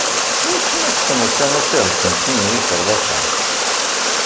Wis ma tesneḍ tamacahut n sin yiferḍasen?